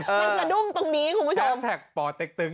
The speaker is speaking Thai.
มันสะดุ้งตรงนี้คุณผู้ชมป่อเต็กตึง